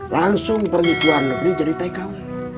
langsung pergi ke luar negeri jadi tkw